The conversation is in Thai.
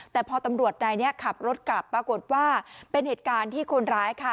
แต่พอตำรวจนายนี้ขับรถกลับปรากฏว่าเป็นเหตุการณ์ที่คนร้ายค่ะ